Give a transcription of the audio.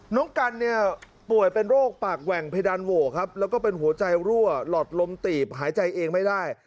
น้องกันเนี่ยป่วยเป็นโรคปากแหว่งเพดานโหวครับแล้วก็เป็นหัวใจรั่วหลอดลมตีบหายใจเองไม่ได้